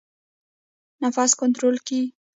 نفس کنټرول کړئ